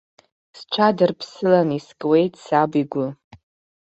Сҽадырԥсылан искуеит саб игәы.